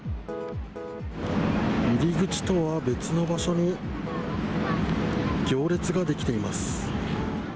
入り口とは別の場所に行列ができています。